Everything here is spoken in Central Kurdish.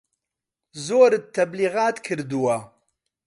زۆرت تەبلیغات کردوە